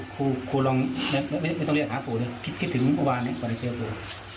คุณลองไม่ต้องเรียกหาผู้เลยคิดถึงประวัตินี้ก่อนได้เจอผู้